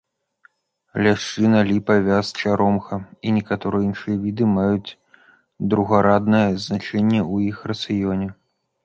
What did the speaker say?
Ляшчына, ліпа, вяз, чаромха і некаторыя іншыя віды маюць другараднае значэнне ў іх рацыёне.